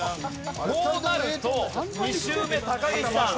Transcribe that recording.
こうなると２周目高岸さん。